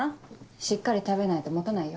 しっかり食べないと持たないよ。